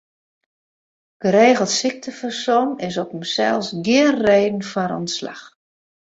Geregeld syktefersom is op himsels gjin reden foar ûntslach.